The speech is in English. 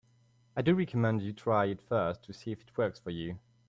I do recommend you try it first to see if it works for you.